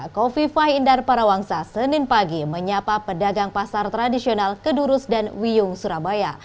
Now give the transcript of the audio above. kofifah indar parawangsa senin pagi menyapa pedagang pasar tradisional kedurus dan wiyung surabaya